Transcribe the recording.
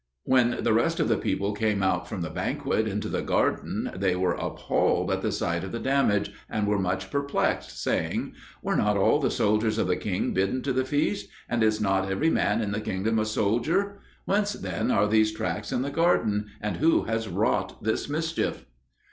When the rest of the people came out from the banquet into the garden, they were appalled at the sight of the damage, and were much perplexed, saying, "Were not all the soldiers of the king bidden to the feast? and is not every man in the kingdom a soldier? Whence then are these tracks in the garden, and who has wrought this mischief?"